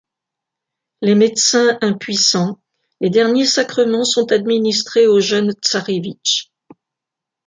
Les médecins impuissants, les derniers sacrements sont administrés au jeune tsarévitch.